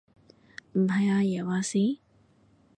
唔係阿爺話事？